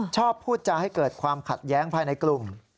พูดจาให้เกิดความขัดแย้งภายในกลุ่ม